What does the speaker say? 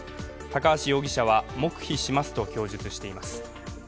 高橋容疑者は、黙秘しますと供述しています。